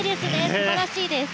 素晴らしいです。